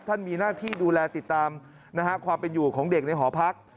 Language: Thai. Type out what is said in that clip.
มีหน้าที่ดูแลติดตามความเป็นอยู่ของเด็กในหอพัก